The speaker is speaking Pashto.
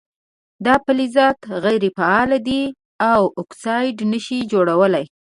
دا فلزونه غیر فعال دي او اکساید نه شي جوړولی.